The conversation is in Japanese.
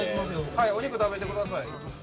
はいお肉食べてください。